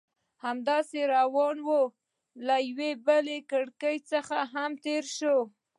همداسې روان وو، له یوې بلې کړکۍ څخه هم تېر شوو.